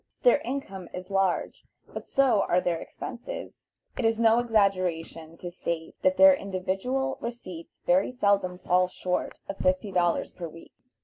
Their income is large, but so are their expenses. It is no exaggeration to state that their individual receipts very seldom fall short of fifty dollars per week.